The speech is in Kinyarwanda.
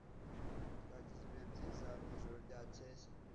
Twagize ibihe byiza mwijoro ryakeye